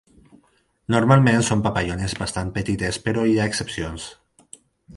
Normalment són papallones bastant petites però hi ha excepcions.